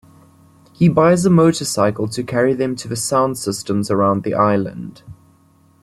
He buys a motorcycle to carry them to the sound systems around the island.